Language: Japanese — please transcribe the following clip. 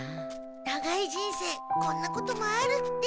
長い人生こんなこともあるって。